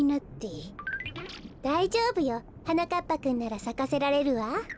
だいじょうぶよ。はなかっぱくんならさかせられるわ。